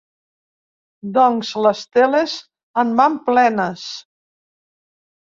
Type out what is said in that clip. Doncs les teles en van plenes.